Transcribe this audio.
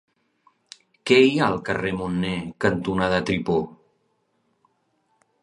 Què hi ha al carrer Munner cantonada Tripó?